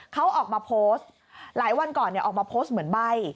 เขาออกมาโพสต์หลายวันก่อนออกมาโพสต์เหมือนใบ้